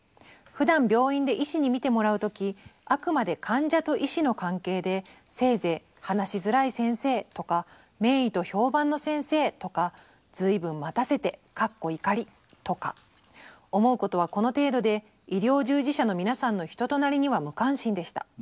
「ふだん病院で医師に診てもらう時あくまで患者と医師の関係でせいぜい話しづらい先生とか名医と評判の先生とか随分待たせてとか思うことはこの程度で医療従事者の皆さんの人となりには無関心でした。